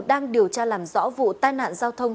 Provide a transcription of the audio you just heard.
đang điều tra làm rõ vụ tai nạn giao thông